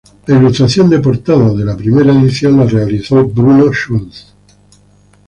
La ilustración de portada de la primera edición la realizó Bruno Schulz.